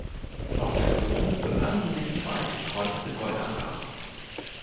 Auf der Krone befanden sich zwei gekreuzte Goldanker.